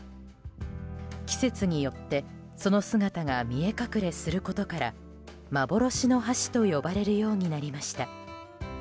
季節によってその姿が見え隠れすることから幻の橋と呼ばれるようになりました。